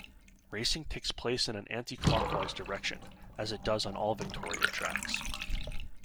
Racing takes place in an anti-clockwise direction, as it does on all Victorian tracks.